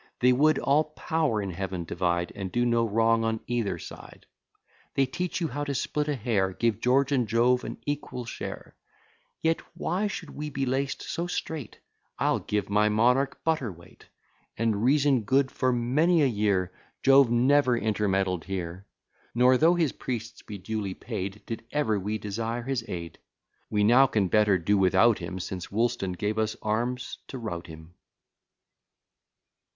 They could all power in Heaven divide, And do no wrong on either side; They teach you how to split a hair, Give George and Jove an equal share. Yet why should we be laced so strait? I'll give my monarch butter weight. And reason good; for many a year Jove never intermeddled here: Nor, though his priests be duly paid, Did ever we desire his aid: We now can better do without him, Since Woolston gave us arms to rout him.